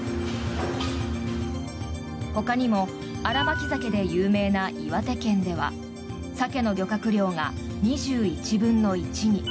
ほかにも新巻きザケで有名な岩手県ではサケの漁獲量が２１分の１に。